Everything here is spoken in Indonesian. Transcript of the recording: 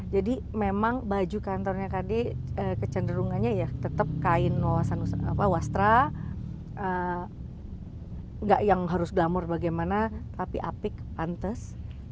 jadi memang baju kantornya kadik kecenderungannya ya tetap kain wawasan apa wastra gak yang harus glamour bagaimana tapi apik pantas